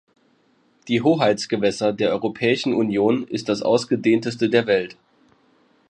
Die Hoheitsgewässer der Europäischen Union ist das ausgedehnteste der Welt.